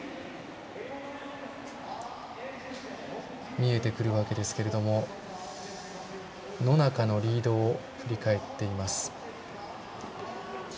見えてくるわけですけれども野中のリードを振り返っています。